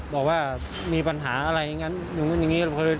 บอกว่ามีปัญหาอะไรอย่างนั้นอย่างนี้